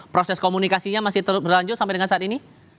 proses komunikasinya masih terus berlanjut sampai dengan saat ini